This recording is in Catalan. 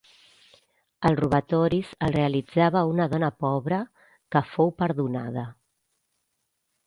Els robatoris els realitzava una dona pobra, que fou perdonada.